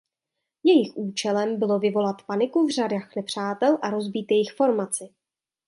Jejich účelem bylo vyvolat paniku v řadách nepřátel a rozbít jejich formaci.